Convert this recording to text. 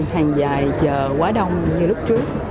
hàng dài chờ quá đông như lúc trước